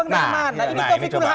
nah ini coba